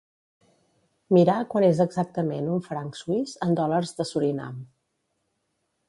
Mirar quant és exactament un franc suís en dòlars de Surinam.